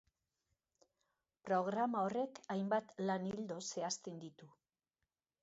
Programa horrek hainbat lan ildo zehazten ditu.